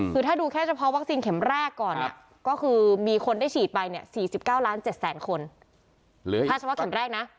คือถ้าดูแค่เฉพาะวัคซีนเข็มแรกก่อนก็คือมีคนได้ฉีดไป๔๙ล้าน๗๐๐คน